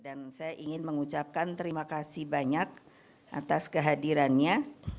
dan saya ingin mengucapkan terima kasih banyak atas kehadirannya